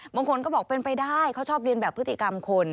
บางคนก็บอกเป็นไปได้เขาชอบเรียนแบบพฤติกรรมคน